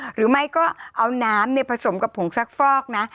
หรือไม่ก็เอาน้ำผสมกับผงซักฟอกนะ